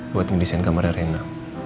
buat ngedesain kamarnya rena